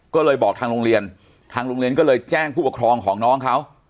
ก็เลยบอกทางโรงเรียนทางโรงเรียนก็เลยแจ้งผู้ปกครองของน้องเขา